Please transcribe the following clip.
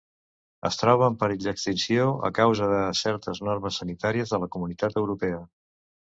Es troba en perill d'extinció a causa de certes normes sanitàries de la Comunitat Europea.